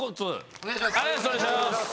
お願いします。